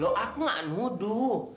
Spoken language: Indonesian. loh aku nggak nuduh